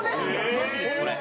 マジですこれ。